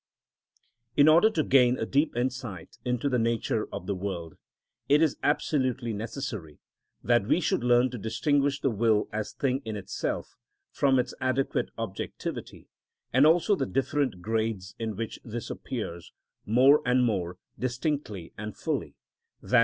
In order to gain a deeper insight into the nature of the world, it is absolutely necessary that we should learn to distinguish the will as thing in itself from its adequate objectivity, and also the different grades in which this appears more and more distinctly and fully, _i.